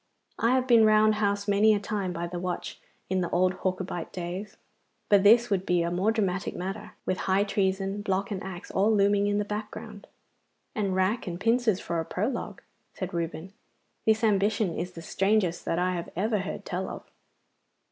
I have been round housed many a time by the watch in the old Hawkubite days; but this would be a more dramatic matter, with high treason, block, and axe all looming in the background.' 'And rack and pincers for a prologue,' said Reuben. 'This ambition is the strangest that I have ever heard tell of.